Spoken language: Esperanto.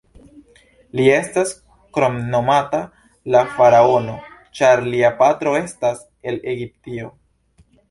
Li estas kromnomata "la faraono", ĉar lia patro estas el Egiptio.